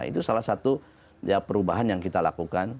itu salah satu perubahan yang kita lakukan